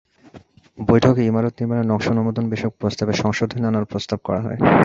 বৈঠকে ইমারত নির্মাণের নকশা অনুমোদন বিষয়ক প্রস্তাবে সংশোধনী আনার প্রস্তাব করা হয়।